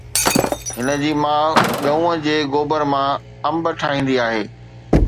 هن جي ماءُ ڳئون جي گوبر مان انب ٺاهيندي آهي